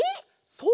そう！